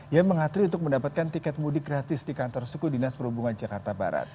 ia mengantri untuk mendapatkan tiket mudik gratis di kantor suku dinas perhubungan jakarta barat